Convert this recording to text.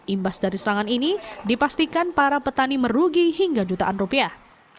imbas dari serangan ini dipastikan para petani merugi hingga jutaan rupiah